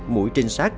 mũi trinh sát